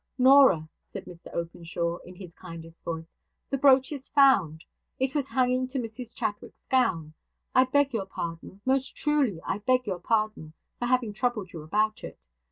'Norah,' said Mr Openshaw, in his kindest voice, 'the brooch is found. It was hanging to Mrs Chadwick's gown. I beg your pardon. Most truly I beg your pardon, for having troubled you about it.